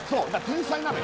天才なの。